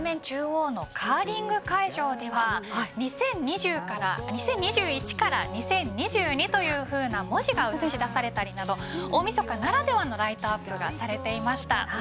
中央のカーリング会場では２０２１から２０２２という文字が映し出されたりなど大みそかならではのライトアップがされていました。